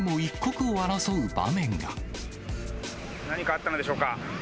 何かあったのでしょうか。